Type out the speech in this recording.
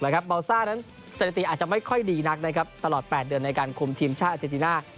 เบาซ่านั้นสถิติอาจจะไม่ค่อยดีนักนะครับตลอด๘เดือนในการคุมทีมชาติอาเจนติน่า